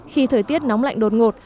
khi thời tiết nóng lạnh đột ngột